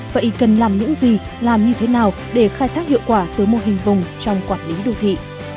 vậy cần làm những gì làm như thế nào để khai thác hiệu quả tới mô hình vùng trong quản lý đô thị